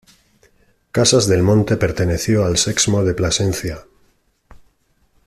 Casas del Monte perteneció al Sexmo de Plasencia.